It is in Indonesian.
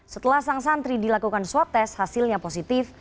setelah sang santri dilakukan swab test hasilnya positif